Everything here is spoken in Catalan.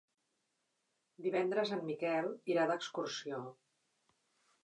Divendres en Miquel irà d'excursió.